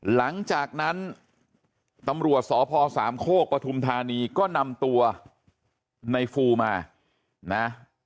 หลังจากนั้นตำรวจสพสามโคกปฐุมธานีก็นำตัวในฟูมานะ